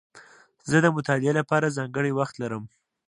زه د مطالعې له پاره ځانګړی وخت لرم.